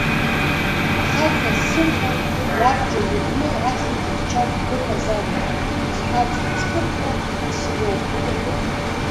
Ахаҵа ззырҳәо иабџьар иҟәну ахьӡ ихьчартә дыҟазароуп, зҳәаҭҳа зхырхуа аԥсы иоуп.